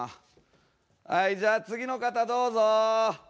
はいじゃあ次の方どうぞ。